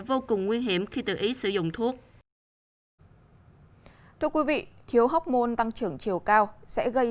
vô cùng nguy hiểm khi tự ý sử dụng thuốc thưa quý vị thiếu hóc môn tăng trưởng chiều cao sẽ gây